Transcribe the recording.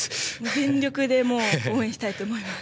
全力で応援したいと思います。